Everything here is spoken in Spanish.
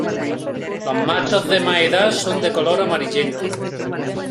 Los machos de más edad son de color amarillento.